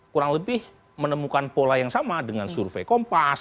kurang lebih menemukan pola yang sama dengan survei kompas